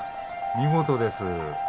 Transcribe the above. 見事です。